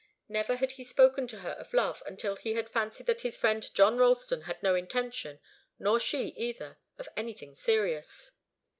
Never had he spoken to her of love until he had fancied that his friend John Ralston had no intention, nor she, either, of anything serious.